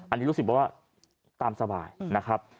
อันนี้ลูกศิษย์บอกว่าตามสบายนะครับ